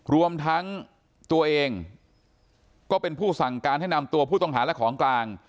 รวมทั้งตัวเองก็เป็นผู้สั่งการให้นำตัวผู้ต้องหาและของกลาง